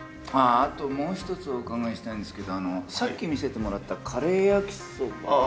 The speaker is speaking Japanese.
あっあともう一つお伺いしたいんですけどさっき見せてもらったカレー焼きそば。